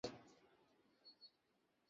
ঠিক বলেছেন, স্যার।